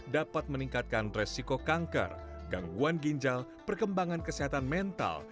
dapat meningkatkan resiko kanker gangguan ginjal perkembangan kesehatan mental